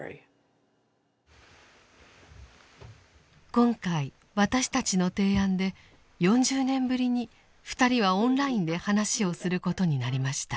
今回私たちの提案で４０年ぶりに２人はオンラインで話をすることになりました。